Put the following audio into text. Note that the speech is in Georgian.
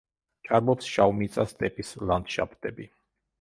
ჭარბობს შავმიწა სტეპის ლანდშაფტები.